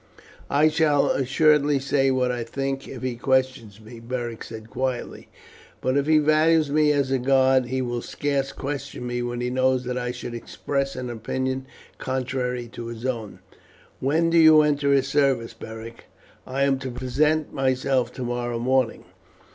"I shall assuredly say what I think if he questions me," Beric said quietly; "but if he values me as a guard, he will scarce question me when he knows that I should express an opinion contrary to his own." "When do you enter his service, Beric?" "I am to present myself tomorrow morning."